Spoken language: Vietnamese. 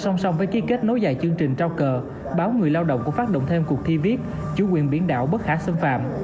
song song với ký kết nối dài chương trình trao cờ báo người lao động cũng phát động thêm cuộc thi viết chủ quyền biển đảo bất khả xâm phạm